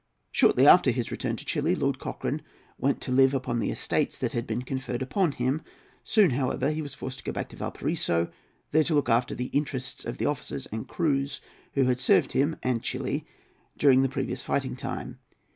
Shortly after his return to Chili, Lord Cochrane went to live upon the estates that had been conferred upon him. Soon, however, he was forced to go back to Valparaiso, there to look after the interests of the officers and crews who had served him and Chili during the previous fighting time.